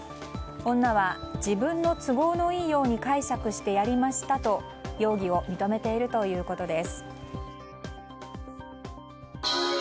女は、自分の都合のいいように解釈してやりましたと容疑を認めているということです。